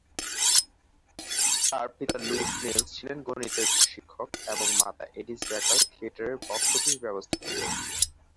তার পিতা Louis Mills ছিলেন গণিতের শিক্ষক এবং মাতা এডিথ বেকার থিয়েটারের বক্স অফিস ব্যবস্থাপক।